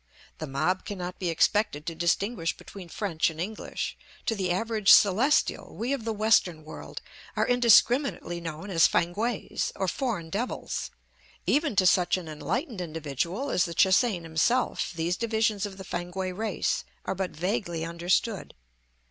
The mob cannot be expected to distinguish between French and English; to the average Celestial we of the Western world are indiscriminately known as Fankwaes, or foreign devils; even to such an enlightened individual as the Che hsein himself these divisions of the Fankwae race are but vaguely understood.